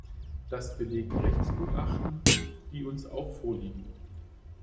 Das belegen Rechtsgutachten, die uns auch vorliegen.